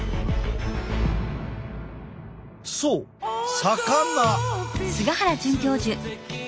そう魚。